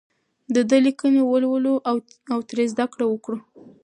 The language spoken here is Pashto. د ده لیکنې ولولو او ترې زده کړه وکړو.